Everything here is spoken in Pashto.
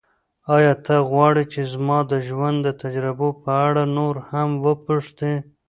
ایا ته غواړې چې زما د ژوند د تجربو په اړه نور هم وپوښتې؟